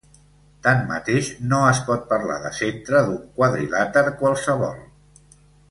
Tanmateix, no es pot parlar de centre d'un quadrilàter qualsevol.